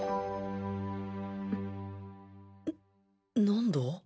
何だ？